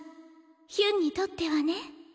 ヒュンにとってはね。